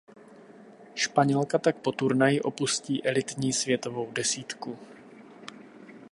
Španělka tak po turnaji opustí elitní světovou desítku.